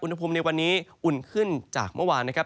อุณหภูมิในวันนี้อุ่นขึ้นจากเมื่อวานนะครับ